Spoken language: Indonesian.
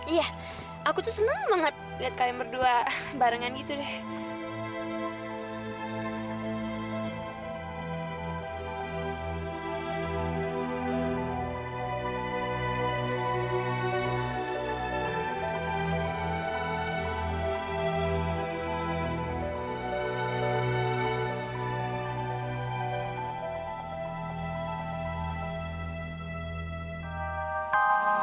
iya aku tuh seneng banget liat kalian berdua barengan gitu deh